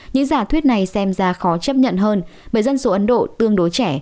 những giả thuyết này xem ra khó chấp nhận hơn bởi dân số ấn độ tương đối trẻ